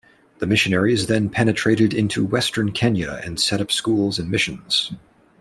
The missionaries then penetrated into western Kenya and set up schools and missions.